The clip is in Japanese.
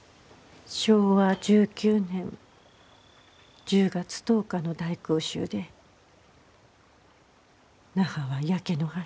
昭和１９年１０月１０日の大空襲で那覇は焼け野原